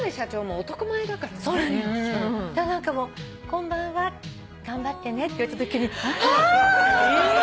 「こんばんは頑張ってね」って言われたときにあ！